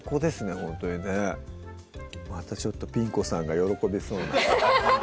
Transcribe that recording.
ほんとにねまたちょっとピン子さんが喜びそうな